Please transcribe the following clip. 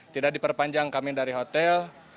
tidak diperpanjang kami dari hotel